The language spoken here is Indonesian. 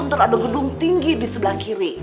terus ada gedung tinggi di sebelah kiri